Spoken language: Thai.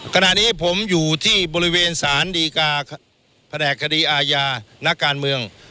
ขณะนี้ผมอยู่ที่บริเวณสารดีกาแผนกคดีอาญานักการเมือง